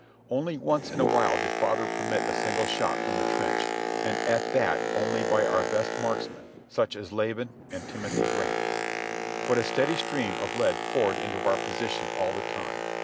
Only once in a while did father permit a single shot from the trench, and at that only by our best marksmen, such as Laban and Timothy Grant. But a steady stream of lead poured into our position all the time.